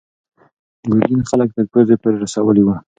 ګرګین خلک تر پوزې پورې رسولي وو.